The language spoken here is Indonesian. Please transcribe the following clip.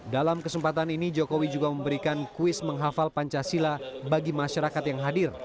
dalam kesempatan ini jokowi juga memberikan kuis menghafal pancasila bagi masyarakat yang hadir